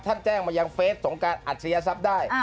ท่านแจ้งมายังเฟซส่งการอัดสริยสับได้